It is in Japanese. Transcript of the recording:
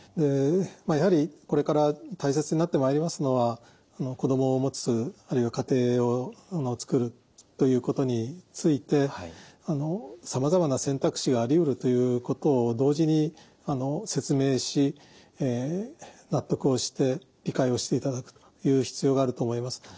やはりこれから大切になってまいりますのは子どもをもつあるいは家庭を作るということについてさまざまな選択肢がありうるということを同時に説明し納得をして理解をしていただくという必要があると思います。